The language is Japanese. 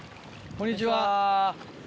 こんにちは。